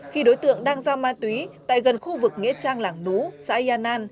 khi đối tượng đang giao ma túy tại gần khu vực nghệ trang lảng nú xã yà năn